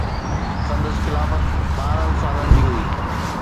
سندس خلافت ٻارهن سالن جي هئي